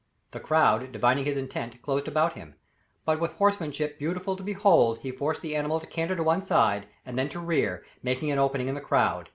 The crowd, divining his intent, closed about him, but with horsemanship beautiful to behold he forced the animal to canter to one side, and then to rear, making an opening in the crowd.